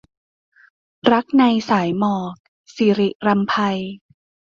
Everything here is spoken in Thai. รักในสายหมอก - ศิริรำไพ